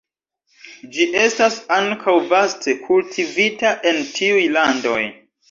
Ĝi estas ankaŭ vaste kultivita en tiuj landoj.